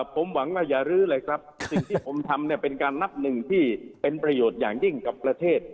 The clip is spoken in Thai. ผมหวังว่าอย่ารื้อเลยครับสิ่งที่ผมทำเนี่ยเป็นการนับหนึ่งที่เป็นประโยชน์อย่างยิ่งกับประเทศ